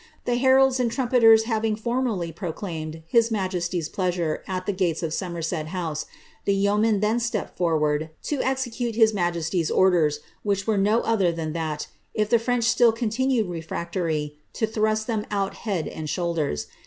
The heralds and tnimpeten having formally proclaimed his majesty ^s pleasure at the gates of Someraet House, the yeomen then stepped forward to execute his majesty^s orden, which were no other than that, if the French still continued refractoiy, to thrust them out head and shoulders.